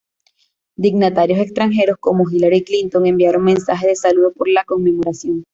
Dignatarios extranjeros como Hillary Clinton enviaron mensajes de saludo por la conmemoración.